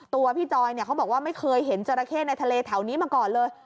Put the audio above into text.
ตัวพี่จอยเขาบอกว่าไม่เคยเห็นจราเข้ในทะเลแถวนี้มาก่อนเลย